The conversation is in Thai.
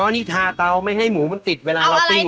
นี่ทาเตาไม่ให้หมูมันติดเวลาเราปิ้ง